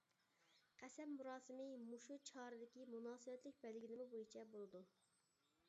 قەسەم مۇراسىمى مۇشۇ چارىدىكى مۇناسىۋەتلىك بەلگىلىمە بويىچە بولىدۇ.